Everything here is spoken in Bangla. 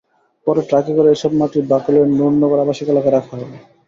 পরে ট্রাকে করে এসব মাটি বাকলিয়ার নূরনগর আবাসিক এলাকায় রাখা হবে।